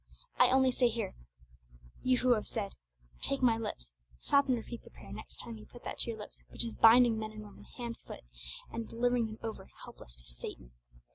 I only say here, you who have said, 'Take my lips,' stop and repeat that prayer next time you put that to your lips which is binding men and women hand and foot, and delivering them over, helpless, to Satan!